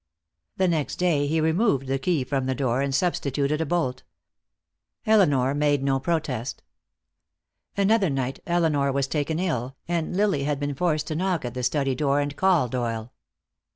The next day he removed the key from the door, and substituted a bolt. Elinor made no protest. Another night Elinor was taken ill, and Lilly had been forced to knock at the study door and call Doyle.